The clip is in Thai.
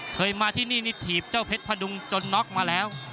เคยมาที่นี่นี่ถีบเจ้าเพชรพดุงจนน็อกมาแล้ว